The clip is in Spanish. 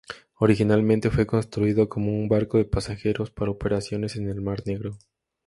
Originalmente fue construido como un barco de pasajeros para operaciones en el Mar Negro.